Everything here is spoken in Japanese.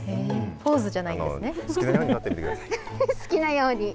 ポーズじゃないんですね。